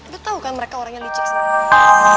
lo tahu kan mereka orang yang licik sih